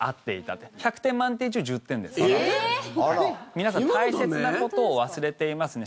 皆さん大切なことを忘れていますね。